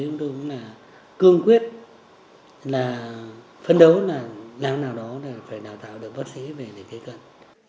tôi cũng cương quyết phấn đấu là lãng nào đó phải đào tạo được bác sĩ về để kế cận